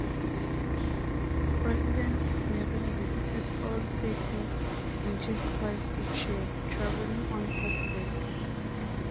President Merrill visited all thirteen branches twice each year, traveling on horseback.